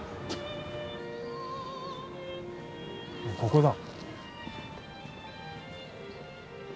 ・ここだ。